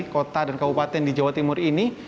kota dan kabupaten di jawa timur ini